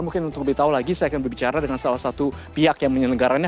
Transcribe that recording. mungkin untuk lebih tahu lagi saya akan berbicara dengan salah satu pihak yang menyelenggaranya